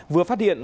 vừa phát hiện